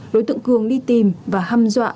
đối tượng cường đi tìm và hăm dọa